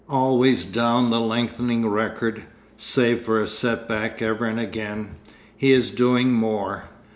Always down the lengthening record, save for a set back ever and again, he is doing more....